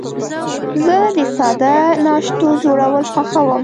زه د ساده ناشتو جوړول خوښوم.